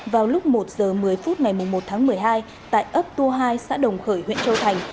vào lúc một h một mươi phút ngày một mươi một tháng một mươi hai tại ấp tu hai xã đồng khởi huyện châu thành